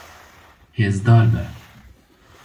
Hêzdar be.